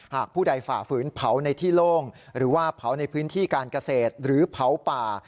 ผู้ใดฝ่าฝืนเผาในที่โล่งหรือว่าเผาในพื้นที่การเกษตรหรือเผาป่า